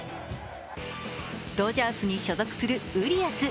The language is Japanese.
ドジャースに所属するウリアス。